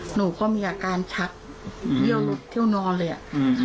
หนูก็มีอาการชักเยี่ยวลุดเที่ยวนอนเลยอ่ะ